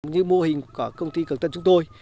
như mô hình của công ty cường tân chúng tôi